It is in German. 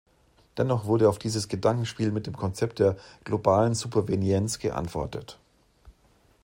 Dennoch wurde auf dieses Gedankenspiel mit dem Konzept der "globalen Supervenienz" geantwortet.